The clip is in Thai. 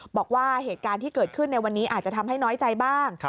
บอกว่าเหตุการณ์ที่เกิดขึ้นในวันนี้อาจจะทำให้น้อยใจบ้าง